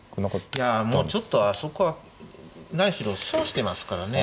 いやもうちょっとあそこは何しろ損してますからね。